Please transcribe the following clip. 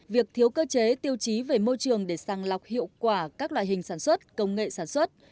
việc thiếu cơ chế tiêu chí về môi trường để sàng lọc hiệu quả các loại hình sản xuất công nghệ sản xuất